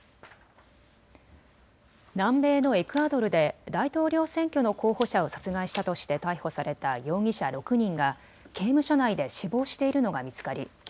南米のエクアドルで大統領選挙の候補者を殺害したとして逮捕された容疑者６人が刑務所内で死亡しているのが見つかり